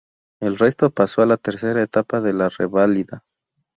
El resto pasó a la Tercera etapa de la reválida.